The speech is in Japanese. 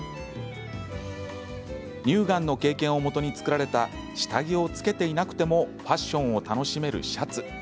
乳がんの経験をもとに作られた下着を着けていなくてもファッションを楽しめるシャツ。